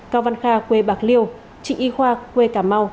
cao văn kha quê bạc liêu trịnh y khoa quê cà mau